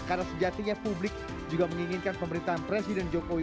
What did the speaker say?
karena sejatinya publik juga menginginkan pemerintahan presiden jokowi